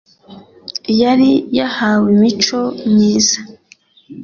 yari yahawimico myiza